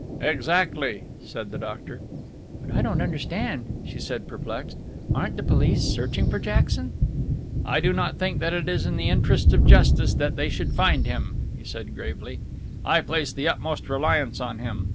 "Exactly," said the doctor. "But I don't understand," she said, perplexed. "Aren't the police searching for Jackson?" "I do not think that it is in the interests of justice that they should find him," he said gravely. "I place the utmost reliance on him.